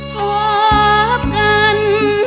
ขอบคัน